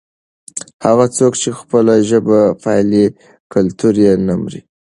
هغه څوک چې خپله ژبه پالي کلتور یې نه مري.